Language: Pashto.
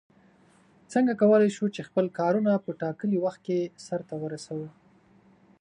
څنگه کولای شو چې خپل کارونه په ټاکلي وخت سرته ورسوو؟